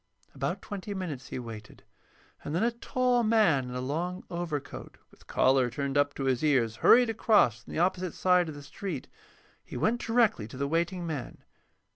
About twenty minutes he waited, and then a tall man in a long overcoat, with collar turned up to his ears, hurried across from the opposite side of the street. He went directly to the waiting man.